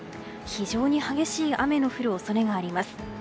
非常に激しい雨の降る恐れがあります。